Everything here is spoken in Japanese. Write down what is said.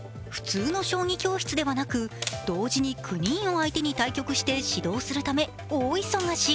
普通の将棋教室ではなく同時に９人を相手に対局して指導するため大忙し。